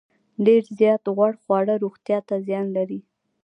ډیر زیات غوړ خواړه روغتیا ته زیان لري.